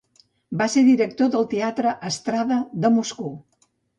Va ser director del teatre "Estrada" de Moscou.